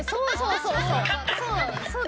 そうそうそうそう！